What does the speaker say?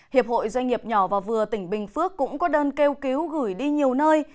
hiệp hội doanh nghiệp nhỏ và vừa tỉnh bình phước cũng có đơn kêu cứu gửi đi nhiều nơi